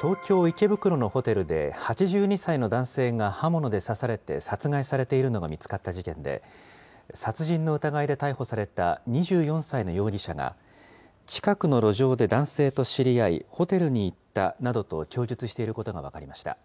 東京・池袋のホテルで、８２歳の男性が刃物で刺されて殺害されているのが見つかった事件で、殺人の疑いで逮捕された２４歳の容疑者が、近くの路上で男性と知り合い、ホテルに行ったなどと供述していることが分かりました。